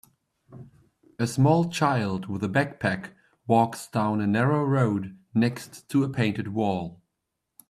A small child with a backpack walks down a narrow road next to a painted wall.